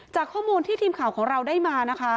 จากข้อมูลที่ทีมข่าวของเราได้มานะคะ